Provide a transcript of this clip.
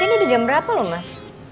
ini udah jam berapa loh mas